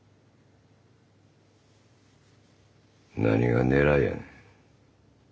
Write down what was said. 何が狙いやねん。